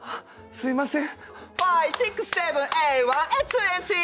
すいません。